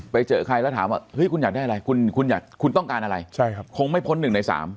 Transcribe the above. ไปเจอใครแล้วถามว่าเฮ้ยคุณอยากได้อะไรคุณต้องการอะไรคงไม่พ้น๑ใน๓